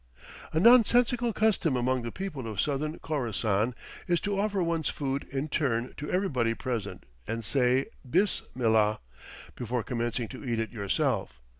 A nonsensical custom among the people of Southern Khorassan is to offer one's food in turn to everybody present and say, "Bis millah," before commencing to eat it yourself.